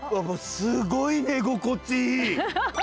すごい寝心地いい。